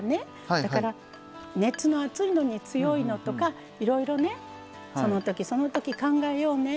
だから熱の熱いのに強いのとかいろいろねそのときそのとき考えようね。